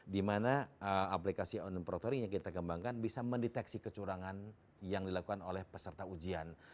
dimana aplikasi online proctoring yang kita kembangkan bisa mendeteksi kecurangan yang dilakukan oleh peserta ujian